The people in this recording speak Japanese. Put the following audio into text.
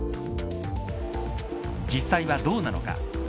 実際はどうなのか。